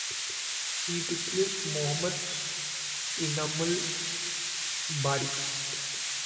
He replaced Mohammad Enamul Bari.